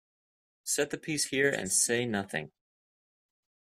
Set the piece here and say nothing.